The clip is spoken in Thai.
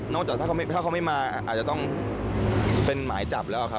ถ้าเขาไม่มาอาจจะต้องเป็นหมายจับแล้วครับ